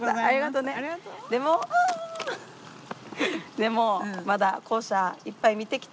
でもまだ校舎いっぱい見てきて。